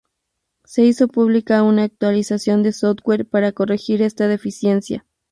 Se hizo pública una actualización de software para corregir esta deficiencia.